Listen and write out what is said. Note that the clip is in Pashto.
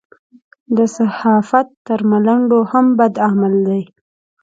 د صحافت تر ملنډو هم بد عمل دی.